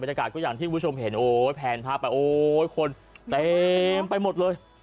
ยากาศก็อย่างที่คุณผู้ชมเห็นโอ้ยแพนภาพไปโอ้ยคนเต็มไปหมดเลย